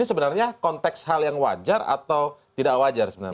ini sebenarnya konteks hal yang wajar atau tidak wajar sebenarnya